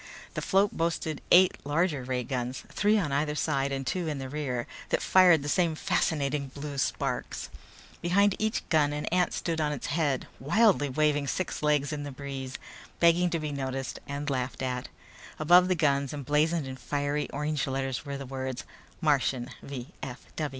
The float boasted eight larger ray guns, three on either side and two in the rear, that fired the same fascinating blue sparks. Behind each gun an ant stood on its head, wildly waving six legs in the breeze, begging to be noticed and laughed at. Above the guns, emblazoned in fiery orange letters, were the words: "MARTIAN V.